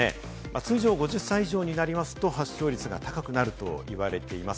通常、５０歳以上になりますと発症率が高くなると言われています。